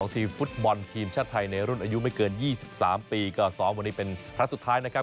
ทีมฟุตบอลทีมชาติไทยในรุ่นอายุไม่เกิน๒๓ปีก็ซ้อมวันนี้เป็นครั้งสุดท้ายนะครับ